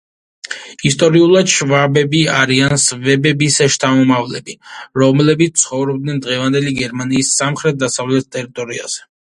ისტორიულად შვაბები არიან სვებების შთამომავლები, რომლებიც ცხოვრობდნენ დღევანდელი გერმანიის სამხრეთ-დასავლეთ ტერიტორიაზე.